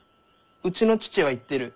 うちの父は言ってる。